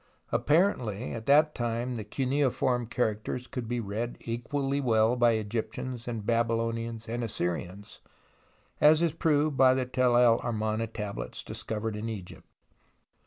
Apparently at that time the cuneiform characters could be read equally well by Egyptians and Babylonians and Assyrians, as is proved by the Tell el Amarna tablets discovered in Egypt.